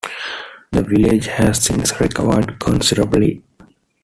The village has since recovered considerably.